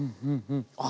あっ！